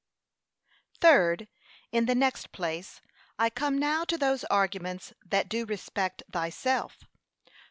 THIRD, In the next place, I come now to those arguments that do respect THYSELF.